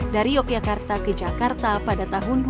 dari yogyakarta ke jakarta pada tahun dua ribu dua